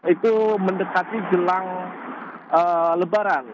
itu mendekati jelang lebaran